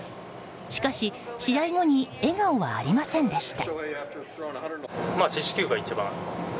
しかし、試合後に笑顔はありませんでした。